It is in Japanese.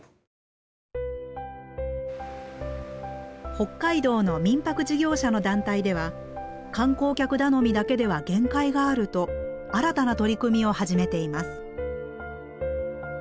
北海道の民泊事業者の団体では観光客頼みだけでは限界があると新たな取り組みを始めています。